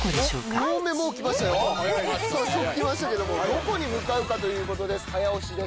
どこに向かうかということです早押しです。